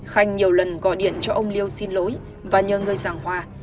khanh nhiều lần gọi điện cho ông liêu xin lỗi và nhờ người giàng hòa